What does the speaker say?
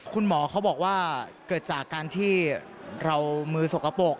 คุณหมอเขาบอกว่าเกิดจากการที่เรามือสกปรก